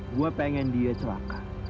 gue pengen dia celaka